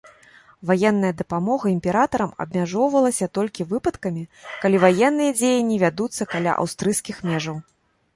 Ваенная дапамога імператарам абмяжоўвалася толькі выпадкамі, калі ваенныя дзеянні вядуцца каля аўстрыйскіх межаў.